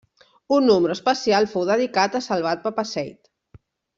Un número especial fou dedicat a Salvat-Papasseit.